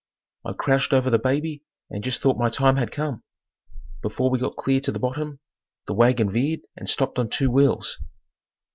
I crouched over the baby and just thought my time had come. Before we got clear to the bottom the wagon veered and stopped on two wheels.